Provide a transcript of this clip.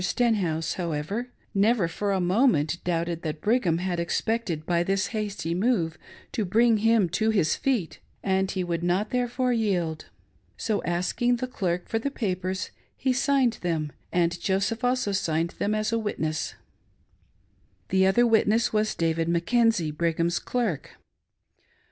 Stenhouse, however, never for a moment doubted that Brigham had expected by this hasty move to bring him to his feet, and he would not therefore yield. So, asking the clerk for the papers, he signed them, and Joseph also ; signed them as a witness — the other witness was David Mackenzie, Brigham's clerk.